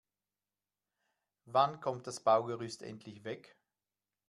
Wann kommt das Baugerüst endlich weg?